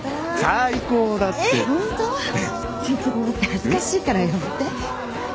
恥ずかしいからやめて。